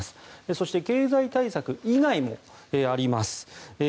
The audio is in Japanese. そして経済対策以外もあります。